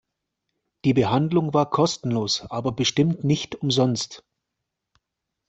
Die Behandlung war kostenlos, aber bestimmt nicht umsonst.